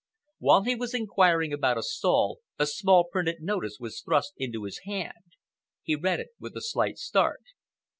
While he was inquiring about a stall, a small printed notice was thrust into his hand. He read it with a slight start.